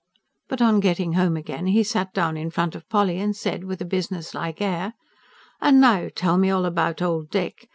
But on getting home again, he sat down in front of Polly and said, with a businesslike air: "And now tell me all about old Dick!